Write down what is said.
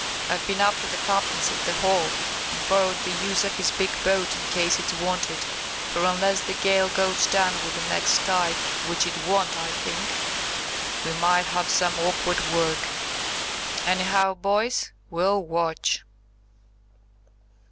I've been up to the Captain's at the Hall, and borrowed the use of his big boat in case it's wanted, for unless the gale goes down with the next tide,–which it won't, I think,–we might have some awkward work. Anyhow, boys, we'll watch."